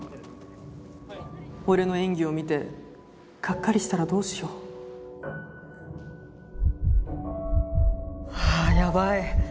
俺の演技を見てがっかりしたらどうしようあやばい。